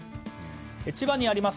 千葉にあります